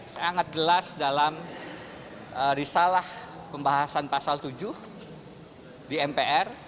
sangat jelas dalam risalah pembahasan pasal tujuh di mpr